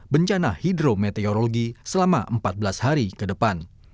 bencana hidrometeorologi selama empat belas hari ke depan